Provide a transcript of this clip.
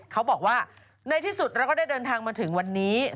เขาบอกว่าในที่สุดเราก็ได้เดินทางมาถึงวันนี้